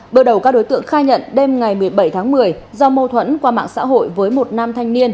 bước đầu các đối tượng khai nhận đêm ngày một mươi bảy tháng một mươi do mâu thuẫn qua mạng xã hội với một nam thanh niên